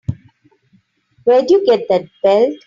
Where'd you get that belt?